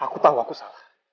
aku tahu aku salah